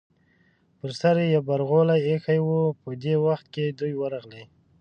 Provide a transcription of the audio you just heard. پر سر یې برغولی ایښی و، په دې وخت کې دوی ورغلې.